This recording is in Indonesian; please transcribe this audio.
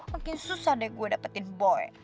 mungkin susah deh gue dapetin boy